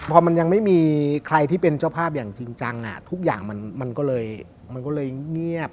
พอมันยังไม่มีใครที่เป็นเจ้าภาพอย่างจริงจังทุกอย่างมันก็เลยมันก็เลยเงียบ